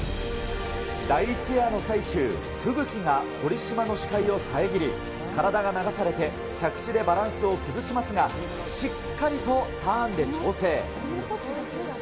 第１エアの最中、吹雪が堀島の視界を遮り、体が流されて、着地でバランスを崩しますが、しっかりとターンで調整。